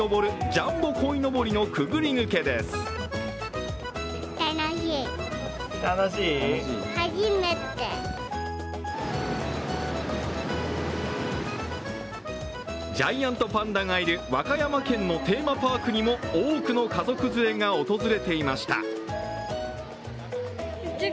ジャイアントパンダがいる和歌山県のテーマパークにも多くの家族連れが訪れていました。